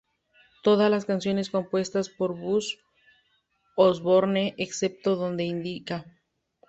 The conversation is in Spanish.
Todas las canciones compuestas por Buzz Osborne, excepto donde lo indica.